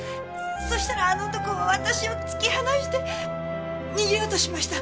そしたらあの男私を突き放して逃げようとしました。